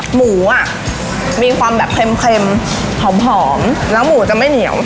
หมูอ่ะมีความแบบเค็มหอมแล้วหมูจะไม่เหนียว